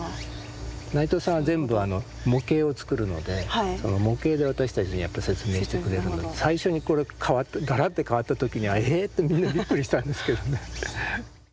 内藤さんは全部模型を作るので模型で私たちに説明してくれるので最初にガラって変わった時にはえぇ？ってみんなびっくりしたんですけどね。